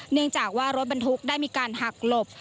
เนื่องจากว่ารถบรรทุกได้มีการหักหลบ